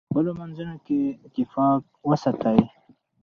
په خپلو منځونو کې اتفاق وساتئ.